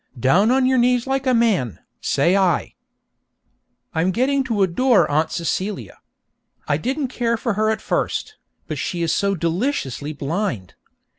Down on your knees like a man, say I! I'm getting to adore Aunt Celia. I didn't care for her at first, but she is so deliciously blind.